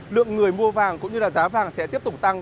lượng người mua vàng cũng như là giá vàng sẽ tiếp tục tăng